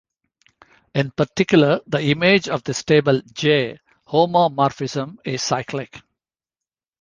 In particular the image of the stable "J"-homomorphism is cyclic.